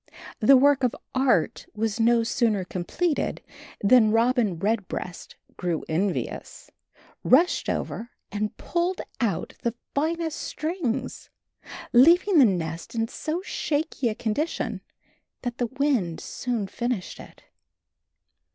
The work of art was no sooner completed than Robin Redbreast grew envious, rushed over and pulled out the finest strings, leaving the nest in so shaky a condition that the wind soon finished it.